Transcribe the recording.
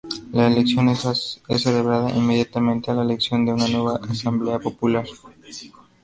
La elección es celebrada inmediatamente a la elección de una nueva Asamblea Popular.